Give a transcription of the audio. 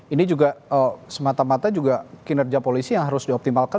ini juga semata mata juga kinerja polisi yang harus dioptimalkan